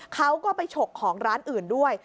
เขาก็ไปฉกของร้านอื่นด้วย